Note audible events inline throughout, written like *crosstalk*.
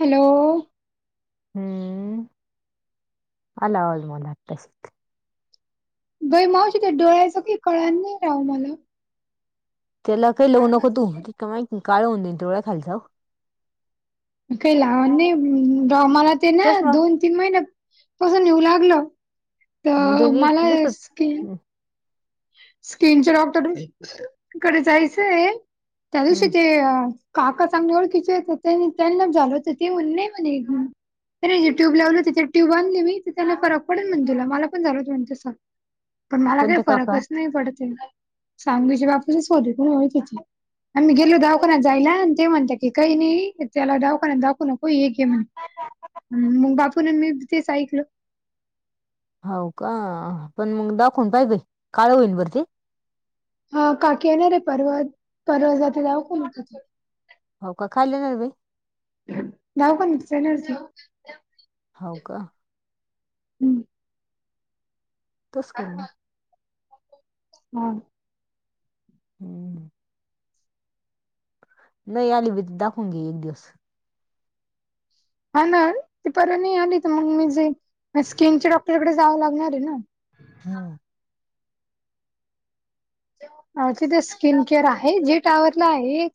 Hello हम्म, आला आवाज मला अतासिक. बई मावशी त्या डोळ्याचं काही कळाल नाही राहू आम्हला. त्याला काही लवू नको तू, ते काय ते काळ होऊन जाईल डोळ्या खालच. काही लहान नाही, मला ते ना चष्मा दोन तीन महिन पासून येऊ लागलं. मग तो तर, नीट मला दिसतो स्कीम. हम्म, स्किनच्या डॉक्टर कडे, जायचंय त्या दिवशी हम्म. ते. काका चांगल ओळखीचयेत त्यानीं, त्यांना झालं होतं ते येऊन नाही म्हणे. नाही, नाही जे ट्यूब लावलं तिथे ट्यूब आणली मी त त्याला फरक पडल म्हणे तूला, मला पण झाले होते तसं. पण मला काही कोणते काका फरकच नाही पडते, सांगलीच्या *unintelligible* हो तिथे. आम्ही गेलो दवाखान्यात जायला आणि ते म्हणतात की, काही नाही त्याला दवाखान्यात दाखू नको एके म्हण. *inaudible* मग, बापून मी तेच ऐकल. हो का, पण मग दाखवून पाई बाई काळ होईन बर ते. हा काकी येणार रे परवा, परवा जात जाऊ. *unintelligible* हो का, खायला. *unintelligible* नाव पण. *unintelligible* हो का. हम्. तस करू मग. हा. हम्म. नाही आली भी दाखवून घे एक दिवस. हा ना, ती परवा नाही आली तर मग मी जाईन स्किन च्या डॉक्टरकडे जावं लागणार आहे ना. हम्म. तिथे स्किन केअर आहे? जे टॉवरला आहे.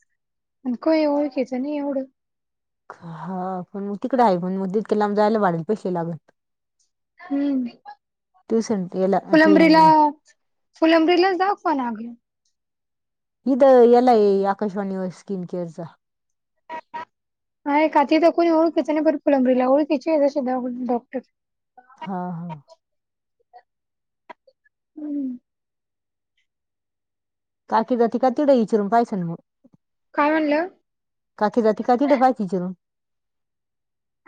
आणि कोनी ओळखीच नाही एवढं. हा पण मग तिकडे आहे पण मग तितक्या लाब जायला वाढेल पैसे लागत. हम्म, ट्युशन याला ते फुलंब्रीला फुलंब्रीला दाखवा लागलं. इथ एला ए आकाशवाणी वर स्किन केअर्स. हा काकी तिथं कोण ओळखिच नाही फुलंब्रीला, ओळखिची आहे दवाखान्यात डॉक्टर. हा हा. हम्म. काकी जातीे का तिकडं विचारून पाहियंच ना मग. काय म्हणलं? काकी जाते का? तिकडं पहायचं विचारून.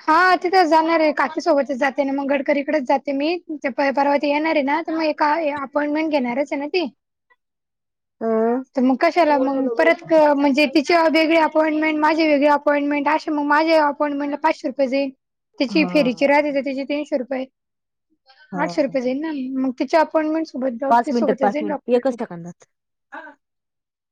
हा तिथे जाणार आहे, काकीसोबतच जाते मग गडकरीकडेच जाते मी ते परवाती येणार आहे ना. तर मग ए अपॉइंटमेंट घेणारच आहे ना ती. *inaudible* तर मग कशाला मग परत म्हणजे तिचे वेगळे अपॉइंटमेट, माझे वेगळे अपॉइंटमेंट, असे म माझ अपॉइंटमेंट पाचशे रुपये जाईल, हा त्याची फेरीची राहते त्याची तीनशे रुपये. हा आठशे रुपये जाईल ना, मग तिच्या अपॉइंटमेंट? सोबत डॉक्टर पाच मिनिटात सोबतच जाईल पाहते डॉक्टर एकच सेकंदात.